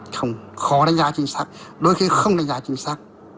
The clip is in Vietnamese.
không khó đánh giá chính sách đôi khi không đánh giá chính xác